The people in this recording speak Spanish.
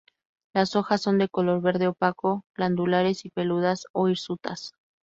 Las hojas son de color verde opaco, glandulares y peludas o hirsutas.